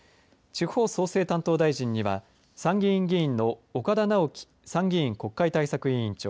地方創生担当大臣には参議院議員の岡田直樹参議院国会対策委員長